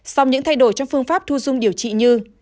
song những thay đổi trong phương pháp thu dung điều trị như